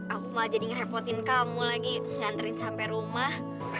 aku malah jadi ngerepotin kamu lagi nganterin sampai rumah